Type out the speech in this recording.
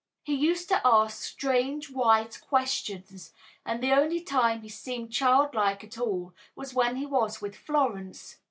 He used to ask strange, wise questions, and the only time he seemed childlike at all was when he was with Florence.